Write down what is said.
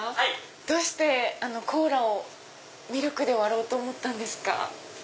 どうしてコーラをミルクで割ろうと思ったんですか？